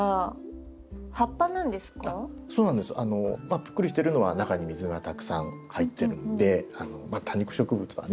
ぷっくりしてるのは中に水がたくさん入ってるので多肉植物はね